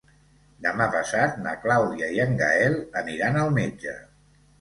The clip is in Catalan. Demà passat na Clàudia i en Gaël aniran al metge.